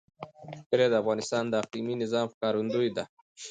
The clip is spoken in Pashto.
کلي د افغانستان د اقلیمي نظام ښکارندوی ده.